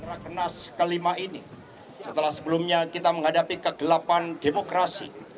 lari keranas kelima ini setelah sebelumnya kita menghadapi kegelapan demokrasi